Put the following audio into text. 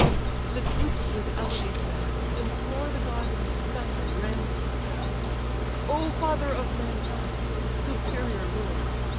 The troops with elevated eyes, Implore the god whose thunder rends the skies: "O father of mankind, superior lord!